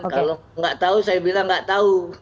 kalau tidak tahu saya bilang tidak tahu